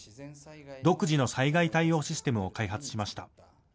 独自の災害対応システムを開発しました。